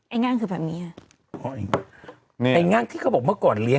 ไอ้นั่งคือแบบนี้